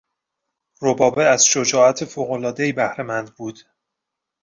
ربابه از شجاعت فوق العادهای بهرهمند بود.